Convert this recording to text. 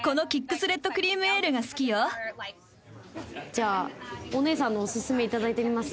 じゃあお姉さんのお薦めいただいてみます？